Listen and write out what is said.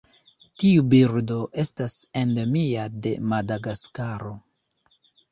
Tiu birdo estas endemia de Madagaskaro.